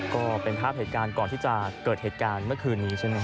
ก็เป็นภาพเหตุการณ์ก่อนที่จะเกิดเหตุการณ์เมื่อคืนนี้ใช่ไหม